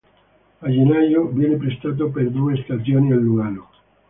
A Gennaio viene prestato per due stagioni al Lugano.